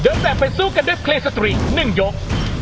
เดินแหลงไปซื้อกันด้วยเคล็งสตริงค์๑ยก